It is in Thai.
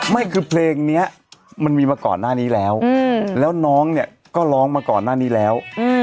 ไม่คือเพลงนี้มันมีมาก่อนหน้านี้แล้วแล้วน้องเนี่ยก็ร้องมาก่อนหน้านี้แล้ว